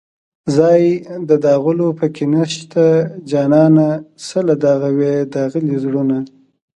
ځای د داغلو په کې نشته جانانه څله داغوې داغلي زړونه